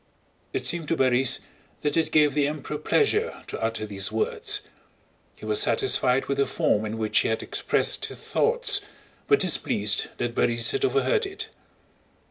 It seemed to Borís that it gave the Emperor pleasure to utter these words. He was satisfied with the form in which he had expressed his thoughts, but displeased that Borís had overheard it.